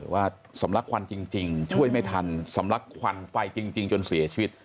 ว่าสำลักควันจริงช่วยไม่ทันสำลักควันไฟจริงจนเสียชีวิต